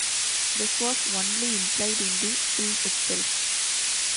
This was only implied in the film itself.